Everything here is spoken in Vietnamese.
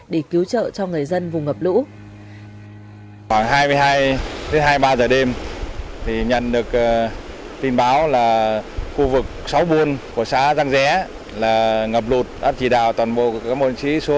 để cứu trợ cho người dân vùng ngập lũ